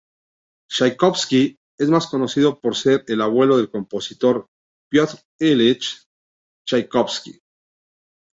Chaikovski es más conocido por ser el abuelo del compositor Piotr Ilich Chaikovski.